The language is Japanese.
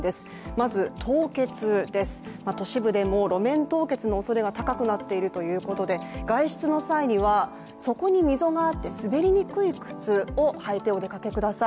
まず、凍結です、都市部でも路面凍結のおそれが高くなっているということで外出の際には底に溝があって滑りにくい靴を履いてお出かけください。